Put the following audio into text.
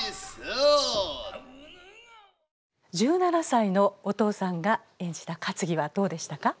１７歳のお父さんが演じたかつぎはどうでしたか？